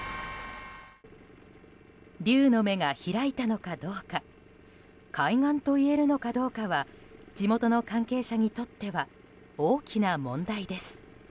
竜の目が開いたのかどうか開眼といえるのかどうかは地元の関係者にとっては大きな問題です。